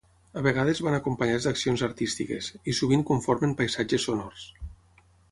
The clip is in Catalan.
A vegades van acompanyats d'accions artístiques, i sovint conformen paisatges sonors.